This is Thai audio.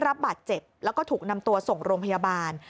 รับบาดเจ็บแล้วก็ถูกนำตัวส่งโรงพยาบาล